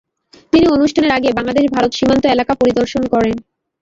তিনি অনুষ্ঠানের আগে বাংলাদেশ ভারত সীমান্ত এলাকা পরিদর্শন করেন।